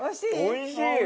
おいしい！